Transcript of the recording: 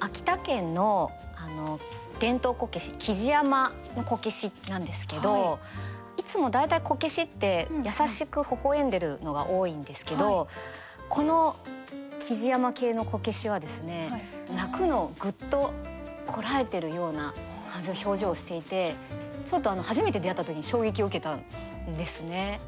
秋田県の伝統こけし木地山のこけしなんですけどいつも大体こけしって優しくほほ笑んでるのが多いんですけどこの木地山系のこけしはですね泣くのをグッとこらえてるような感じの表情をしていてちょっと初めて出会った時に衝撃を受けたんですね。